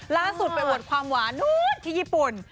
ล่าสุดไปอวดความหวานนู้นที่ญี่ปุ่น